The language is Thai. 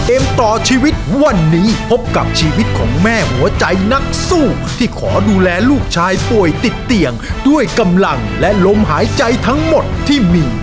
เกมต่อชีวิตวันนี้พบกับชีวิตของแม่หัวใจนักสู้ที่ขอดูแลลูกชายป่วยติดเตียงด้วยกำลังและลมหายใจทั้งหมดที่มี